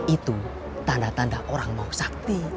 itu tanda tanda orang mau sakti